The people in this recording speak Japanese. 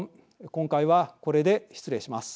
今回はこれで失礼します。